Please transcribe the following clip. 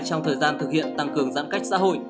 trong thời gian thực hiện tăng cường giãn cách xã hội